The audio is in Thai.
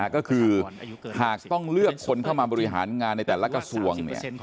ก็คือหากต้องเลือกคนเข้ามาบริหารงานในแต่ละกระทรวง